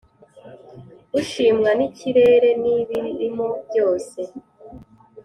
Ushimwa nikirere nibirimo byose